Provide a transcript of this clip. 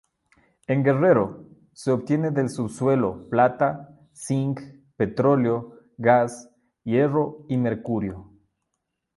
En Guerrero, se obtienen del subsuelo plata, zinc, petróleo, gas, hierro y mercurio.